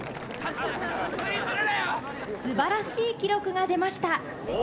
すばらしい記録が出ました。